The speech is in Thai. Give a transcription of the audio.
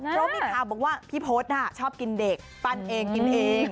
เพราะมีข่าวบอกว่าพี่พศชอบกินเด็กปั้นเองกินเอง